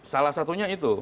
salah satunya itu